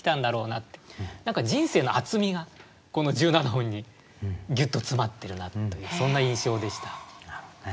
何か人生の厚みがこの１７音にギュッと詰まってるなというそんな印象でした。